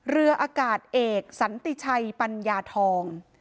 เรืออากาศเอกสันติชัยปัญญาทอง